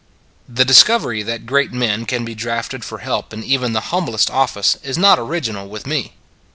The discovery that great men can be drafted for help in even the humblest of fice is not original with me.